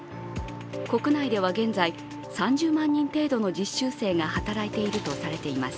国内では現在、３０万人程度の実習生が働いているとされています。